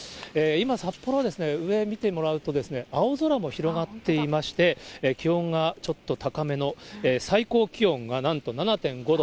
今、札幌は上、見てもらうと青空も広がっていまして、気温がちょっと高めの、最高気温がなんと７．５度。